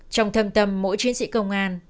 trong thâm tâm mỗi chiến sĩ công an